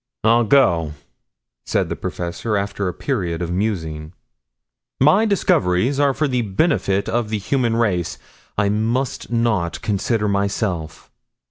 "I'll go," said the professor after a period of musing. "My discoveries are for the benefit of the human race, I must not consider myself."